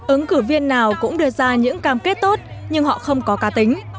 ứng cử viên nào cũng đưa ra những cam kết tốt nhưng họ không có cá tính